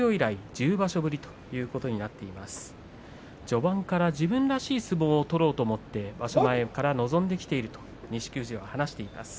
序盤から自分らしい相撲を取ろうと思って臨んできているということを話しています